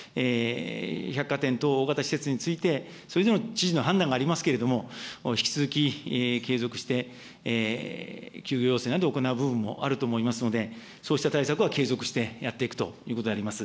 百貨店等大型施設について、それぞれの知事の判断がありますけれども、引き続き継続して、休業要請などを行う部分もあると思いますので、そうした対策は継続してやっていくということであります。